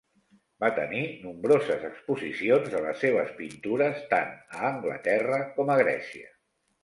Va tenir nombroses exposicions de les seves pintures, tant a Anglaterra com a Grècia.